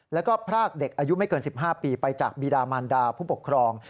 แล้วก็พรากเด็กอายุไม่เกิน๑๕ปีไปจากบีดามันดาผู้ปกครอง